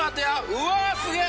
うわすげえ。